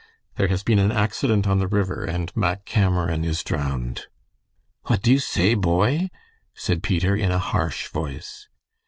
"There has been an accident on the river, and Mack Cameron is drowned." "What do you say, boy?" said Peter, in a harsh voice.